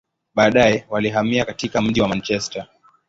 Baadaye, walihamia katika mji wa Manchester.